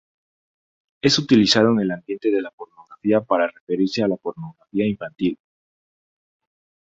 Es utilizado en el ambiente de la pornografía para referirse a la pornografía infantil.